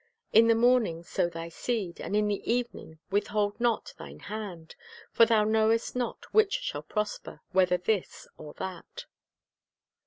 "In the morning sow thy seed, and in the evening" withhold not thine hand; for thou knowest not which shall prosper, whether this or that."